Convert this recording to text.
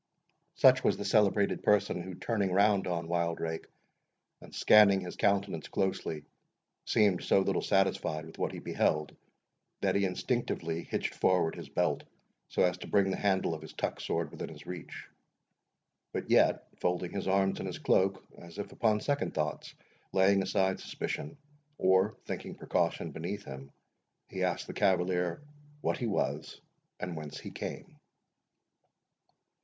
Such was the celebrated person, who, turning round on Wildrake, and scanning his countenance closely, seemed so little satisfied with what he beheld, that he instinctively hitched forward his belt, so as to bring the handle of his tuck sword within his reach. But yet, folding his arms in his cloak, as if upon second thoughts laying aside suspicion, or thinking precaution beneath him, he asked the cavalier what he was, and whence he came?